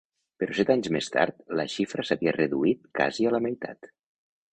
Però set anys més tard la xifra s'havia reduït casi a la meitat.